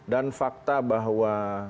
dan fakta bahwa